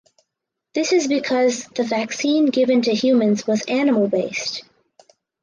This is because the vaccine given to humans was animal based.